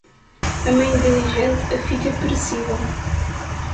A mãe diligente, a filha perecível.